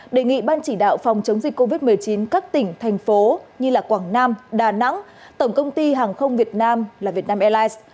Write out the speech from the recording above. đề nghị ban chỉ đạo phòng chống dịch covid một mươi chín các tỉnh thành phố như quảng nam đà nẵng tổng công ty hàng không việt nam là vietnam airlines